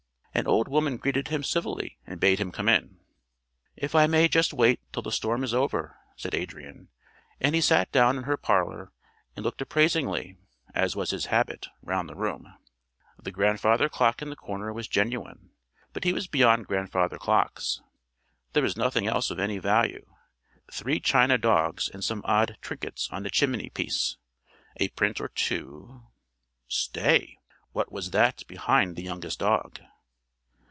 An old woman greeted him civilly and bade him come in. "If I may just wait till the storm is over," said Adrian, and he sat down in her parlour and looked appraisingly (as was his habit) round the room. The grandfather clock in the corner was genuine, but he was beyond grandfather clocks. There was nothing else of any value; three china dogs and some odd trinkets on the chimney piece; a print or two Stay! What was that behind the youngest dog?